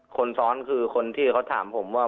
คนซ้อนคือคนที่เขาถามผมว่า